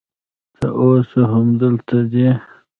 ته اوس هم هلته ځې